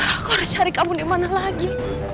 aku harus cari kamu dimana lagi